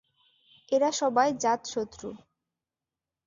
এরা সবাই জাতশত্রু।